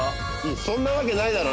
そんなわけないだろ。